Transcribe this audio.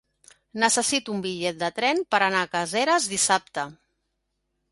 Necessito un bitllet de tren per anar a Caseres dissabte.